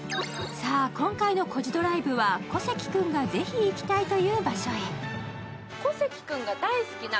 さあ、今回の「コジドライブ」は小関君がぜひ行きたいという場所へ。